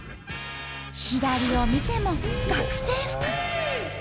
左を見ても「学生服」。